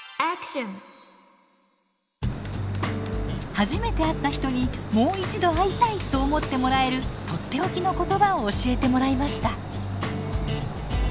初めて会った人にもう一度会いたいと思ってもらえるとっておきの言葉を教えてもらいました。